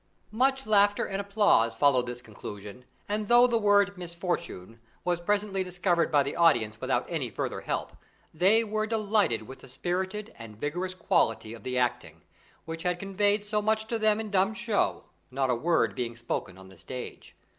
Much laughter and applause followed this conclusion, and though the word "misfortune" was presently discovered by the audience without any further help, they were delighted with the spirited and vigorous quality of the acting, which had conveyed so much to them in dumb show, not a word being spoken on the stage.